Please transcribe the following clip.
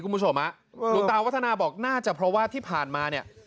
คุณผู้ชมฮะหลวงตาวัฒนาบอกน่าจะเพราะว่าที่ผ่านมาเนี่ย